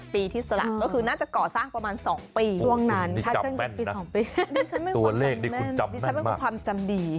ปีที่สละก็คือน่าจะก่อสร้างประมาณสองปีตัวเลขดิกูจำแม่นมาก